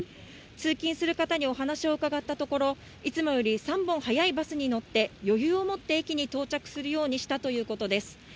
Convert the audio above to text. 通勤する方にお話を伺ったところ、いつもより３本早いバスに乗って余裕を持って駅に到着するようにしたということです。